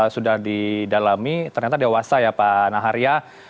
sudah didalami ternyata dewasa ya pak naharya